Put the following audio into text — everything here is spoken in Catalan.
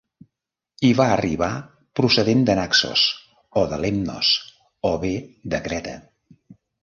Hi va arribar procedent de Naxos, o de Lemnos, o bé de Creta.